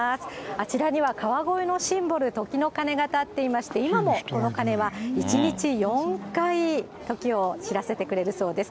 あちらには川越のシンボル、時の鐘が建っていまして、今も時の鐘は１日４回、時を知らせてくれるそうです。